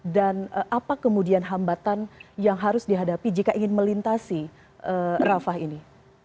dan apa kemudian hambatan yang harus dihadapi jika ingin melintasi rafa ini